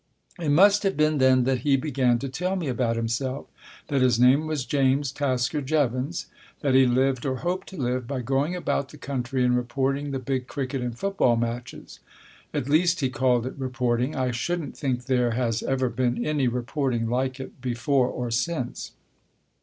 It must have been then that he began to tell me about himself : that his name was James Tasker Jevons ; that he lived, or hoped to live, by going about the country and reporting the big cricket and football matches. At least he called it reporting. I shouldn't think there has ever been any reporting like it before or since.